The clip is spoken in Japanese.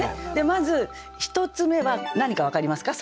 まず１つ目は何か分かりますか？